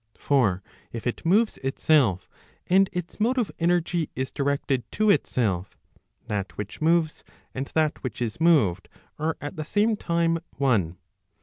For if it moves itself, and its motive energy is directed to itself, that which moves, and that which is moved are at the same time one.